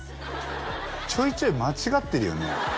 ちょいちょい間違ってるよね